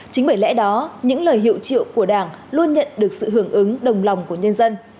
chính bởi lẽ đó những lời hiệu triệu của đảng luôn nhận được sự hưởng ứng đồng lòng của nhân dân